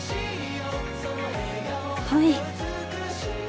はい。